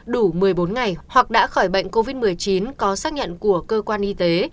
đủ một mươi bốn ngày hoặc đã khỏi bệnh covid một mươi chín có xác nhận của cơ quan y tế